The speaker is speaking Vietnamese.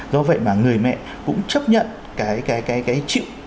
do vậy mà người mẹ cũng chấp nhận